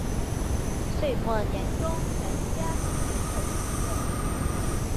岁末年终全家团圆的时刻